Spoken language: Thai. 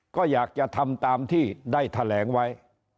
ก็อยากจะทำตามที่ได้แถลงไว้